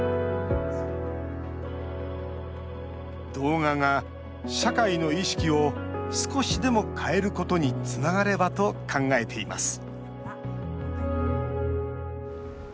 動画が社会の意識を少しでも変えることにつながればと考えています